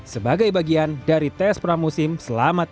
sebagai bagian dari tes pramusim selama tiga hari